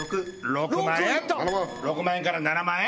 ７万６万円から７万円！